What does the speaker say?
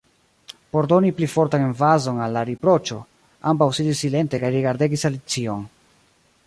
Por doni pli fortan emfazon al la riproĉo, ambaŭ sidis silente kaj rigardegis Alicion.